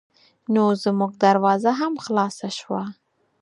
نو زمونږ دروازه هم خلاصه شوه.